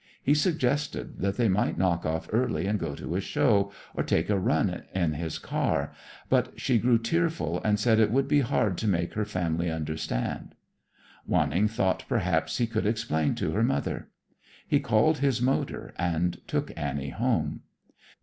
He suggested that they might knock off early and go to a show, or take a run in his car, but she grew tearful and said it would be hard to make her family understand. Wanning thought perhaps he could explain to her mother. He called his motor and took Annie home.